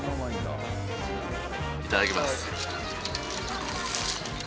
いただきます。